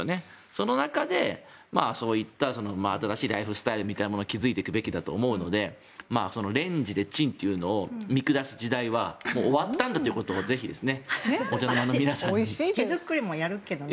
その中で、そういった新しいライフスタイルみたいなものを築いていくべきだと思うのでレンジでチンというのを見下す時代は終わったんだということを手作りもやるけどね。